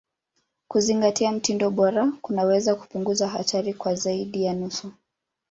Kuzingatia mtindo bora kunaweza kupunguza hatari kwa zaidi ya nusu.